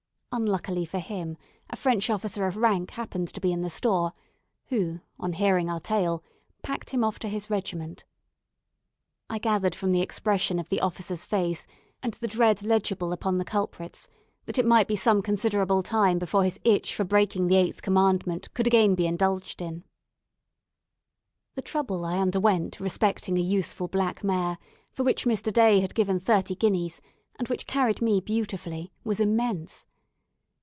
Unluckily for him, a French officer of rank happened to be in the store, who, on hearing our tale, packed him off to his regiment. I gathered from the expression of the officer's face, and the dread legible upon the culprit's, that it might be some considerable time before his itch for breaking the eighth commandment could be again indulged in. The trouble I underwent respecting a useful black mare, for which Mr. Day had given thirty guineas, and which carried me beautifully, was immense.